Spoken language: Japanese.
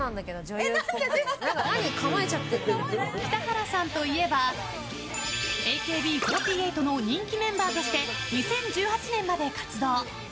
北原さんといえばＡＫＢ４８の人気メンバーとして２０１８年まで活動。